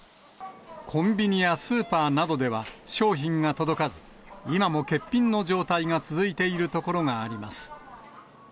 コンビニやスーパーなどでは商品が届かず、今も欠品の状態が続いている所があります。